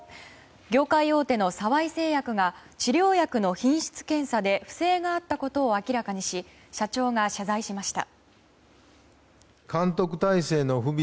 業界大手の沢井製薬が治療薬の品質検査で不正があったことを明らかにし社長が謝罪しました。